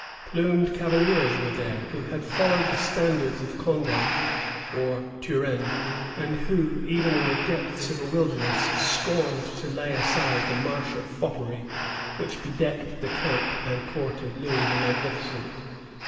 Plumed cavaliers were there, who had followed the standards of Condé or Turenne, and who, even in the depths of a wilderness, scorned to lay aside the martial foppery which bedecked the camp and court of Louis the Magnificent.